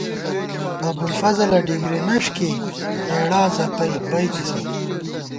ابُوالفضلہ ڈِگری نݭ کېئی، ہېڑا زَپَئی بَئیتِسہ